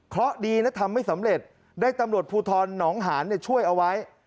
เพราะดีและทำไม่สำเร็จได้ตำรวจภูทรหนองหานช่วยเอาไว้